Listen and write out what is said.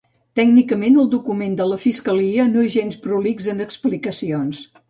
Tècnicament, el document de la fiscalia no és gens prolix en explicacions.